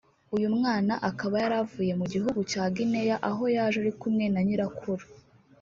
uyu mwana akaba yari avuye mu gihugu cya Guinea aho yaje ari kumwe na nyirakuru